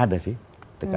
jadi kita harus berpikir